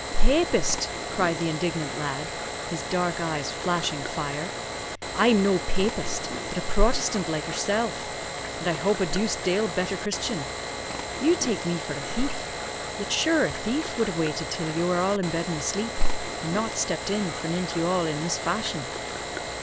"Papist!" cried the indignant lad, his dark eyes flashing fire, "I'm no Papist, but a Protestant like yourself; and I hope a deuced dale better Christian. You take me for a thief; yet shure a thief would have waited till you were all in bed and asleep, and not stepped in forenint you all in this fashion."